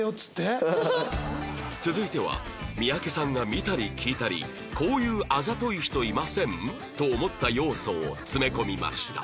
続いては三宅さんが見たり聞いたりこういうあざとい人いません？と思った要素を詰め込みました